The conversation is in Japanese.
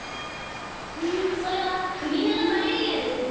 それはクビナガバレリアですね。